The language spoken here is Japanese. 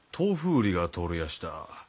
売りが通りやした。